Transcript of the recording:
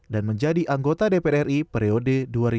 dan menjadi anggota dpr ri periode dua ribu sembilan dua ribu empat belas